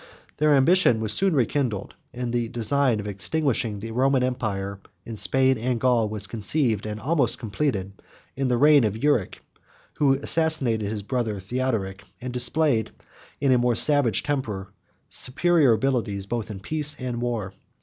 Their ambition was soon rekindled; and the design of extinguishing the Roman empire in Spain and Gaul was conceived, and almost completed, in the reign of Euric, who assassinated his brother Theodoric, and displayed, with a more savage temper, superior abilities, both in peace and war.